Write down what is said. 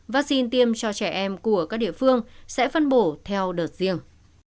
vaccine tiêm cho trẻ em của các địa phương sẽ phân bổ theo đợt riêng